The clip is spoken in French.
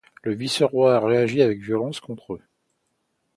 Le vice-roi a réagi avec violence contre eux.